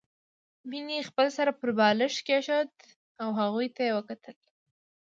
مينې خپل سر پر بالښت کېښود او هغوی ته يې وکتل